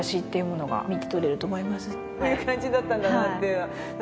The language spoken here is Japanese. こういう感じだったんだなっていうのが。